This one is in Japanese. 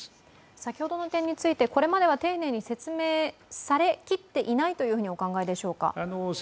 先ほどの点について、これまでは丁寧に説明されきっていないとお考えでしょうか。